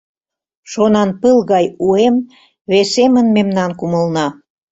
Шонанпыл гай уэм весемын мемнан кумылна.